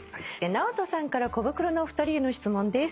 ＮＡＯＴＯさんからコブクロのお二人への質問です。